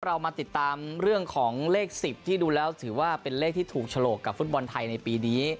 เรามาติดตามเรื่องของเลข๑๐ที่ดูแล้วถือว่าเป็นเลขที่ถูกฉลกกับฟุตบอลไทยในปีนี้